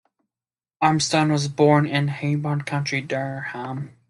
Armstrong was born in Hebburn, County Durham.